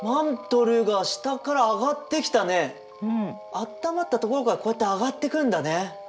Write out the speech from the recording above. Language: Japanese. あったまった所からこうやって上がってくるんだね。